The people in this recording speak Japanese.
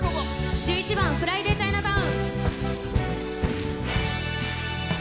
１１番「フライディ・チャイナタウン」。